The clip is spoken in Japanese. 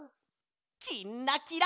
「きんらきら」。